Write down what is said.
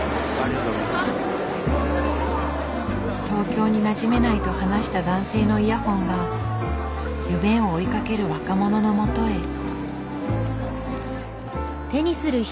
東京になじめないと話した男性のイヤホンが夢を追いかける若者のもとへ。